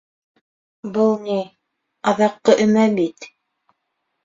Был ни, аҙаҡҡы өмә бит.